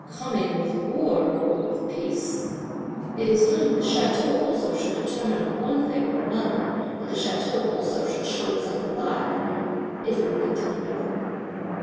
Coming, with war or with peace? It is time that the Château also should determine on one thing or another; that the Château also should show itself alive, if it would continue living!